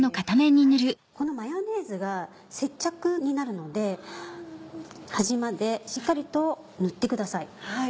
このマヨネーズが接着になるので端までしっかりと塗ってください。